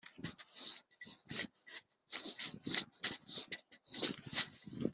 ntukishime igihe ugiye ku rugamba; ishime uvuye ku rugamba